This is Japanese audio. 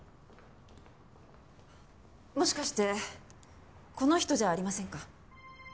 もしかしてこの人じゃありませんか？